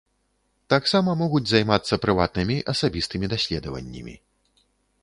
Таксама могуць займацца прыватнымі, асабістымі даследаваннямі.